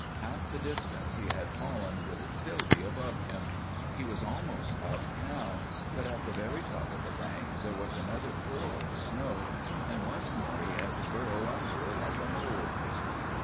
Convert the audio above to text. Half the distance he had fallen would still be above him. He was almost up now; but at the very top of the bank there was another curl of the snow, and once more he had to burrow under like a mole.